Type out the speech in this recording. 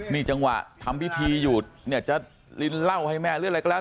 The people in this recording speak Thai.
นี่จังหวะทำพิธีอยู่เนี่ยจะลินเหล้าให้แม่หรืออะไรก็แล้ว